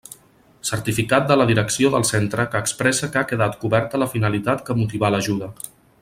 Certificat de la direcció del centre que expresse que ha quedat coberta la finalitat que motivà l'ajuda.